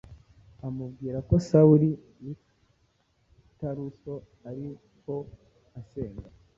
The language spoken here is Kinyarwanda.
amubwira ko Sawuli w’i Taruso ariho asenga